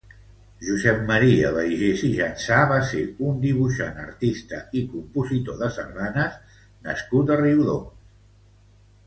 Josep Maria Baiges i Jansà va ser un dibuixant, artista i compositor de sardanes nascut a Riudoms.